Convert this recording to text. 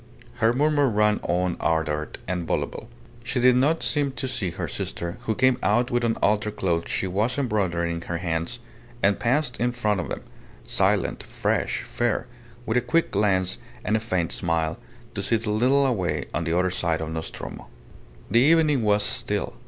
Her murmur ran on ardent and voluble. She did not seem to see her sister, who came out with an altar cloth she was embroidering in her hands, and passed in front of them, silent, fresh, fair, with a quick glance and a faint smile, to sit a little away on the other side of Nostromo. The evening was still.